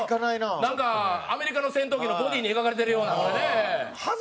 なんかアメリカの戦闘機のボディーに描かれてるような。